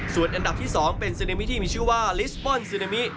ส่วนอันดับที่๒เป็นซึนามิที่มีชื่อว่าลิสมอนซึนามิ